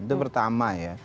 itu pertama ya